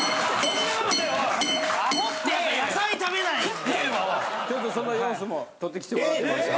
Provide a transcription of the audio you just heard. ちょっとその様子も撮ってきてもらってます。